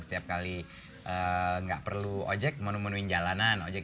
setiap kali nggak perlu ojek menemunuin jalanan ojek